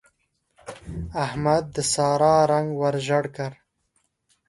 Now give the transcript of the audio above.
احمد د سارا رنګ ور ژړ کړ.